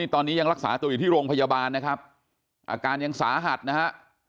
ตอนนี้ยังรักษาตัวอยู่ที่โรงพยาบาลนะครับอาการยังสาหัสนะฮะ